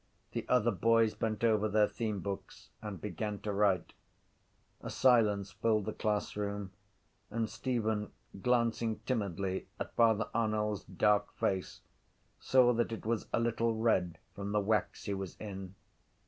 The other boys bent over their themebooks and began to write. A silence filled the classroom and Stephen, glancing timidly at Father Arnall’s dark face, saw that it was a little red from the wax he was in.